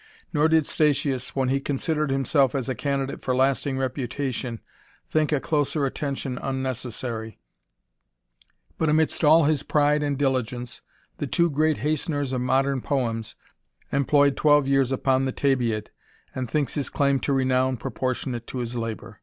Nor did Statins, when he considered himself 176 THE RAMBLER. as a candidate for lasting reputation, think a closer attention unnecessary, but amidst all his pride and indigence, the two great hasteners of modem poems, employed twelve years upon the Thebaid, and thinks his claim to renown propor tionate to his labour.